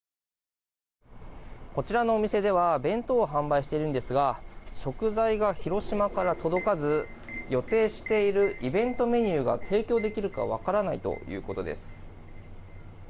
こちらのお店では弁当を販売しているんですが食材が広島から届かず予定しているイベントメニューが提供できるか分からないということです。